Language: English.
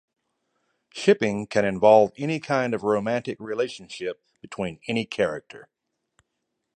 Shipping can involve any kind of romantic relationship between any character.